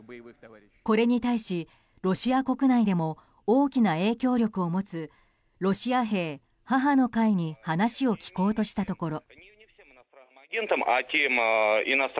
これに対し、ロシア国内でも大きな影響力を持つロシア兵母の会に話を聞こうとしたところ。